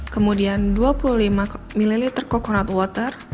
kemudian dua puluh lima ml coconut water